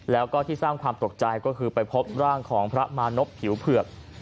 แล้วก็ที่สร้างความตกใจก็คือไปพบร่างของพระมานพผิวเผือก